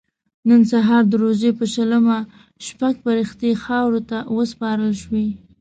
نن سهار د روژې په شلمه شپږ فرښتې خاورو ته وسپارل شوې.